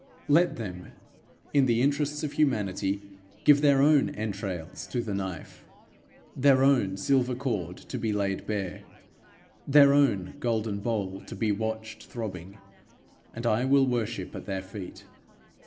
Let them, in the interests of humanity, give their own entrails to the knife, their own silver cord to be laid bare, their own golden bowl to be watched throbbing, and I will worship at their feet.